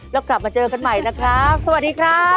แล้วกลับมาเจอกันใหม่นะครับสวัสดีครับ